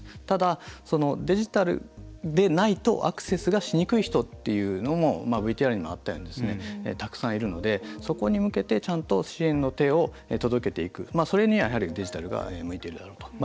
ただ、デジタルでないとアクセスがしにくい人というのもＶＴＲにあったようにたくさんいるのでそこに向けてちゃんと支援の手を届けていく、それにはやはりデジタルが向いてるだろうと。